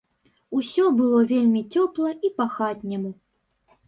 Усё было вельмі цёпла і па-хатняму.